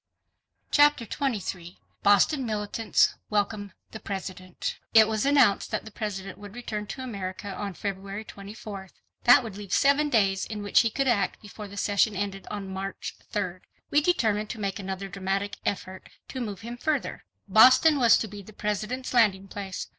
Chapter 23 Boston Militants Welcome the President It was announced that the President would return to America on February 24th. That would leave seven days in which he could act before the session ended on March 3d. We determined to make another dramatic effort to move him further. Boston was to be the President's landing place.